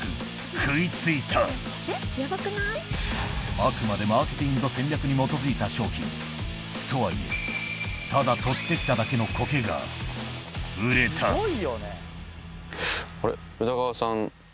あくまでマーケティングと戦略に基づいた商品とはいえただ採って来ただけのコケが売れたはい。